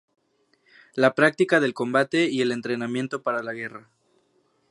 La práctica del combate y el entrenamiento para la guerra.